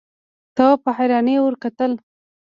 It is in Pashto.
تواب په حيرانۍ ورته کتل…